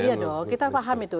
iya dong kita paham itu